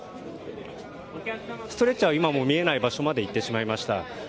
ストレッチャーは、見えない場所まで行ってしまいました。